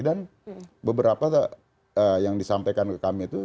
dan beberapa yang disampaikan ke kami itu